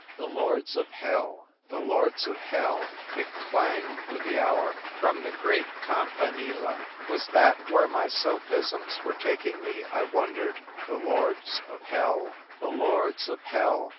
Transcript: The Lords of Hell ! The Lords of Hell ! It clanged with the hour from the great Cam panile ! V\'^as that where my sophisms were taking me, I wondered ? The Lords of Hell ! The Lords of Hell